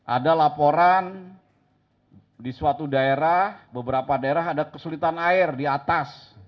ada laporan di suatu daerah beberapa daerah ada kesulitan air di atas